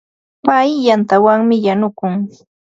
Pay yantawanmi yanukun.